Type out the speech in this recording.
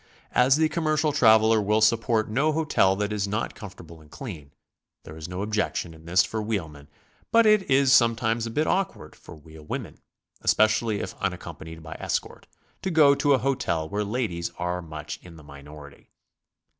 As the commercial traveler will support no hotel that is not comfortable and clean, there is no objection in this for wheelmen, but it is sometimes a bit awkward for wheel women, especially if unaccompanied by escort, to go to a hotel where ladies are much in the minority.